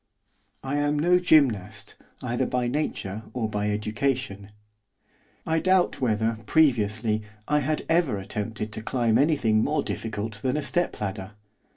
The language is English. I am no gymnast, either by nature or by education; I doubt whether, previously, I had ever attempted to climb anything more difficult than a step ladder.